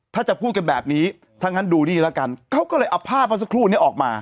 ถ้าจะพูดกันแบบนี้ถ้างั้นดูนี่แล้วกันเขาก็เลยเอาภาพเมื่อสักครู่นี้ออกมา